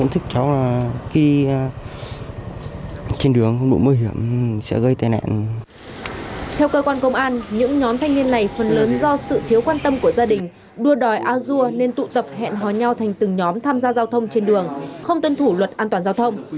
theo cơ quan công an những nhóm thanh niên này phần lớn do sự thiếu quan tâm của gia đình đua đòi a dua nên tụ tập hẹn hò nhau thành từng nhóm tham gia giao thông trên đường không tuân thủ luật an toàn giao thông